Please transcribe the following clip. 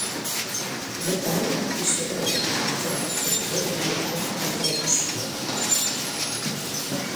Bertan, historiaurreko artea eta bere garaikoa alderatu zituen.